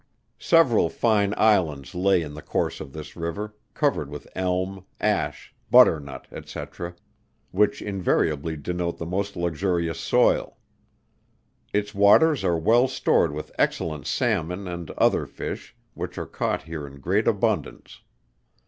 Several fine islands lay in the course of this river, covered with elm, ash, butternut, &c. which invariably denote the most luxurious soil. Its waters are well stored with excellent salmon and other fish, which are caught here in great abundance.